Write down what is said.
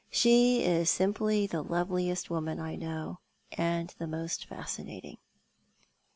She is simply the loveliest woman I know, and the most fascinating."